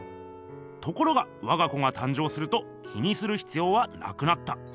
ところがわが子が誕生すると気にするひつようはなくなった。